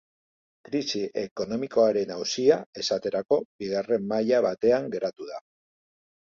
Krisi ekonomikoaren auzia, esaterako, bigarren maila batean geratu da.